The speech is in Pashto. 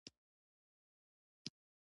له چا ګیله له چا وکړم؟